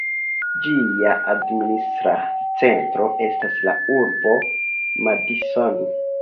Ĝia administra centro estas la urbo Madison.